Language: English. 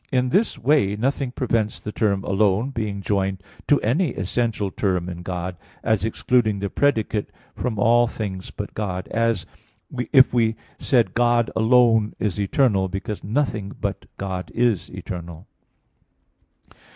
In this way nothing prevents the term "alone" being joined to any essential term in God, as excluding the predicate from all things but God; as if we said "God alone is eternal," because nothing but God is eternal.